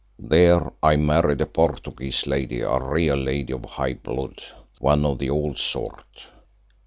"There I married a Portuguese lady, a real lady of high blood, one of the old sort.